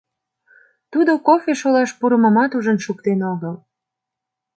Тудо кофе шолаш пурымымат ужын шуктен огыл.